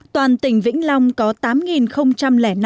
toàn tỉnh vĩnh long có tám người